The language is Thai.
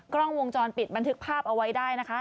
กล้องวงจรปิดบันทึกภาพเอาไว้ได้นะคะ